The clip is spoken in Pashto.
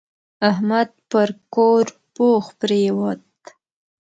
احمد پر کور پوخ پرېوت.